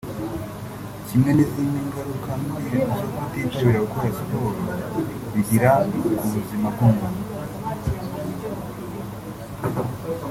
kimwe n’izindi ngaruka mbi zo kutitabira gukora Siporo bigira ku buzima bw’umuntu